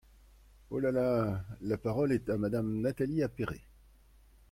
Oh là là ! La parole est à Madame Nathalie Appéré.